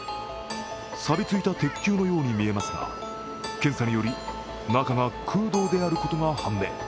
さびついた鉄球のように見えますが、検査により中が空洞であることが判明。